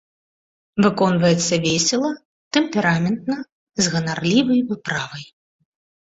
Выконваецца весела, тэмпераментна, з ганарлівай выправай.